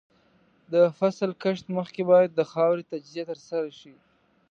د فصل کښت مخکې باید د خاورې تجزیه ترسره شي.